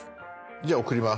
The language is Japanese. じゃあ送ります。